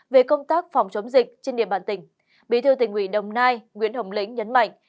về công tác phòng chống dịch trên địa bàn tỉnh bí thư tỉnh ủy đồng nai nguyễn hồng lĩnh nhấn mạnh